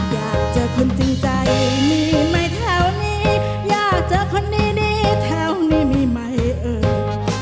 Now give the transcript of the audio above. อยากเจอคนจริงใจมีไหมแถวนี้อยากเจอคนนี้แถวนี้มีไหมเอ่ย